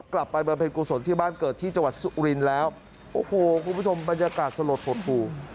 บำเพ็ญกุศลที่บ้านเกิดที่จังหวัดสุรินทร์แล้วโอ้โหคุณผู้ชมบรรยากาศสลดหดหู่